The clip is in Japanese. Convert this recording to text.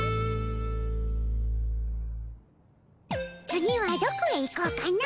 次はどこへ行こうかの。